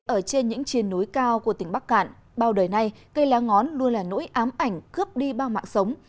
ở trên những triền núi cao của tỉnh bắc cạn bao đời nay cây lá ngón luôn là nỗi ám ảnh cướp đi bao mạng sống